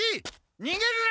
にげるな！